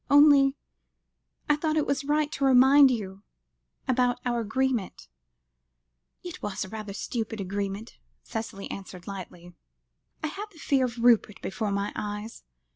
Only I thought it was right to remind you about our agreement." "It was rather a stupid agreement," Cicely answered lightly. "I had the fear of Rupert before my eyes.